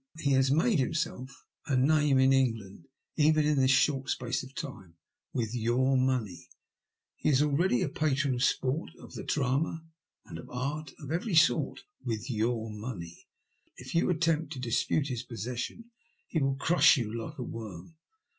He has made himself a name in England, even in this short space of time — with your money. He is already a patron of sport, of the drama, and of art of every sort — ^with your money. If you attempt to dispute his possession, he will crush you like a worm.